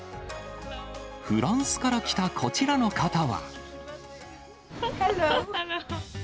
フランスから来たこちらの方は。